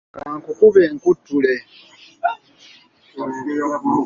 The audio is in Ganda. Kankukube nkuttule.